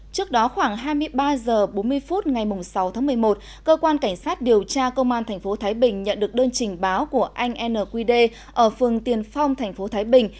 trước đó khoảng hai mươi ba h bốn mươi phút ngày sáu tháng một mươi một cơ quan cảnh sát điều tra công an tp thái bình nhận được đơn trình báo của anh nqd ở phường tiền phong tp thái bình